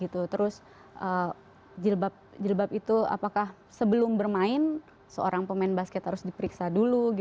terus jilbab jilbab itu apakah sebelum bermain seorang pemain basket harus diperiksa dulu